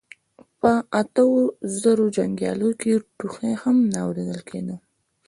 په اتو زرو جنګياليو کې ټوخی هم نه اورېدل کېده.